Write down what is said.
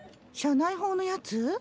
社内報のやつ？